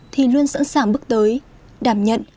thì luôn sẵn sàng bước tới đảm nhận